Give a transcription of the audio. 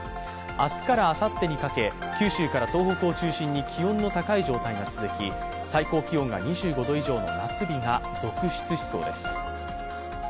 明日からあさってにかけ、九州から東北を中心に気温の高い状態が続き最高気温が２５度以上の夏日が続出しそうです。